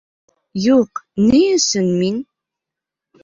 Юҡ, ни өсөн мин?